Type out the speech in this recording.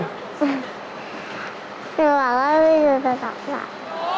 หนูบอกว่าพี่จูนจะตอบได้